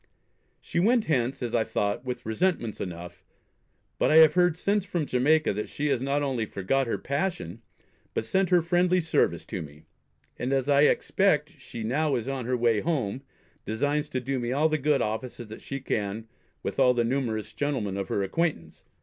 She went hence, as I thought, with resentments enough; but I have heard since from Jamaica, that she has not only forgot her passion, but sent her friendly service to me; and, as I expect, she now is on her way home, designs to do me all the good offices that she can with all the numerous gentlemen of her acquaintance.